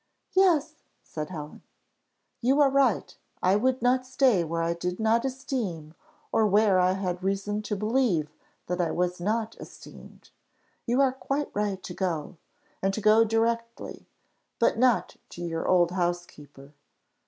"Yes," said Helen. "You are right. I would not stay where I did not esteem or where I had reason to believe that I was not esteemed. You are quite right to go, and to go directly; but not to your old housekeeper."